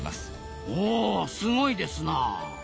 おすごいですなあ。